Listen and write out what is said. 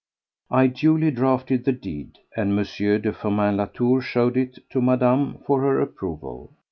I duly drafted the deed, and M. de Firmin Latour showed it to Madame for her approval.